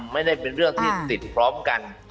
ไม่ได้เป็นเรื่องที่ติดพร้อมกัน